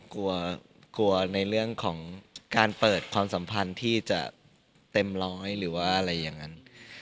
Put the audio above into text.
กลัวกลัวในเรื่องของการเปิดความสัมพันธ์ที่จะเต็มร้อยหรือว่าอะไรอย่างนั้น